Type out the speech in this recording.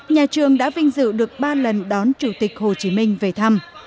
nhà trường đã vinh dự được ba lần đón chủ tịch hồ chí minh về thăm